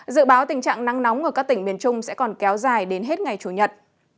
dự báo tình trạng nắng nóng ở các tỉnh miền trung sẽ còn kéo dài đến hết ngày chủ nhật